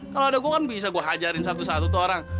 kalo ada gua kan bisa gua hajarin satu satu tuh orang